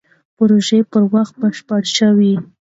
پروژه پر وخت بشپړه شوه.